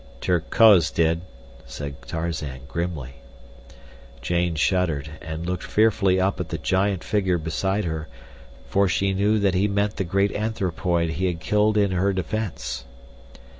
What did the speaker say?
"Terkoz did," said Tarzan, grimly. Jane shuddered and looked fearfully up at the giant figure beside her, for she knew that he meant the great anthropoid he had killed in her defense.